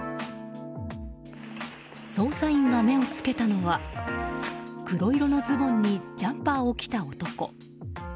捜査員が目をつけたのは黒色のズボンにジャンパーを着た男。